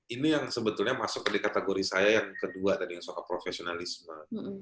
ini yang sebetulnya masuk dari kategori saya yang kedua tadi yang soal profesionalisme